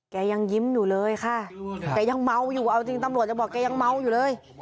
ยังยิ้มอยู่เลยค่ะแกยังเมาอยู่เอาจริงตำรวจจะบอกแกยังเมาอยู่เลย